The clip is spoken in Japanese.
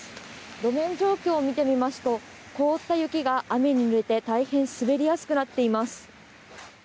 路面状況を見てみますと凍った雪が雨にぬれて大変滑りやすくなっています。